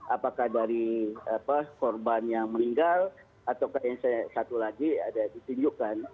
apakah dari korban yang meninggal atau yang satu lagi ada ditunjukkan